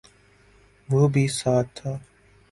وہ بھی ساتھ تھا